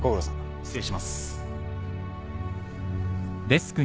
失礼します。